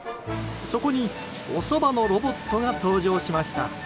そこに、おそばのロボットが登場しました。